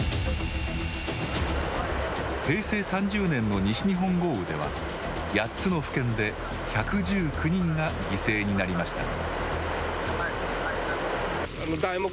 平成３０年の西日本豪雨では８つの府県で１１９人が犠牲になりました。